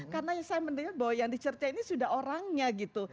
karena saya mendengar bahwa yang dicerca ini sudah orangnya gitu